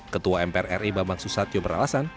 ketua mpr ri bambang susatyo beralasan